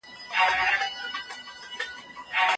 که د يوې ميرمني نوم په قرعه کشي کي د سفر لپاره راووت.